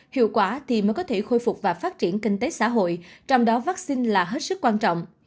hiệu quả thì mới có thể khôi phục và phát triển kinh tế xã hội trong đó vaccine là hết sức quan trọng